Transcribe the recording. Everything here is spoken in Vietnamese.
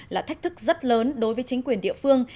là thách thức rất lớn đối với chính quyền địa phương